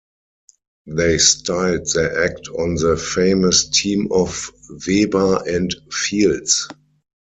They styled their act on the famous team of Weber and Fields.